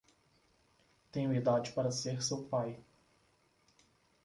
Tenho idade para ser seu pai.